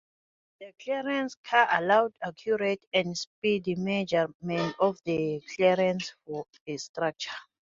The clearance car allowed accurate and speedy measurement of the clearances for a structure.